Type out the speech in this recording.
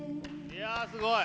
いやー、すごい！